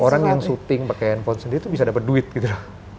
orang yang syuting pake handphone sendiri tuh bisa dapet duit gitu